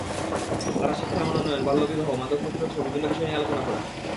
তাঁরা শিক্ষার মানোন্নয়ন, বাল্যবিবাহ, মাদক প্রতিরোধসহ বিভিন্ন বিষয় নিয়ে আলোচনা করেন।